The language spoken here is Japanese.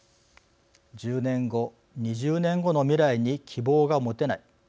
１０年後、２０年後の未来に希望がもてない。